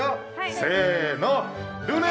せの！